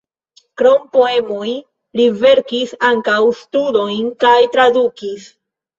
Krom poemoj li verkis ankaŭ studojn kaj tradukis.